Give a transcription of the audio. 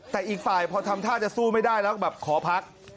แต่อีกฝ่ายพอทำท่าจะสู้ไม่ได้แล้วแบบขอพัก